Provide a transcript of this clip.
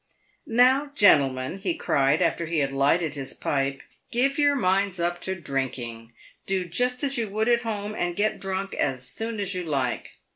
" Now, gentlemen," he cried, after he had lighted his pipe, " give your minds up to drinking. Do just as you would at home, and get drunk as soon as you like."